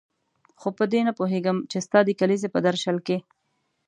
خو په دې نه پوهېږم چې ستا د کلیزې په درشل کې.